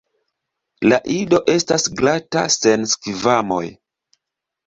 La ido estas glata sen skvamoj.